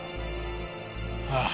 ああ。